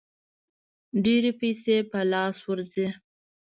ډېرې پیسې په لاس ورځي.